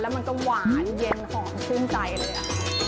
มันก็หวานเย็นหอมชื่นใจเลย